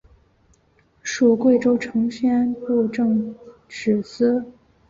属贵州承宣布政使司。